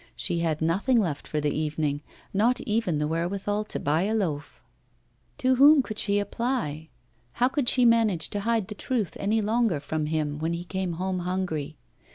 She had nothing left for the evening, not even the wherewithal to buy a loaf. To whom could she apply? How could she manage to hide the truth any longer from him when he came home hungry?